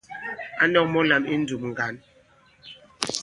Ǎ nɔ̄k mɔ̄ lām I ǹndùm ŋgǎn.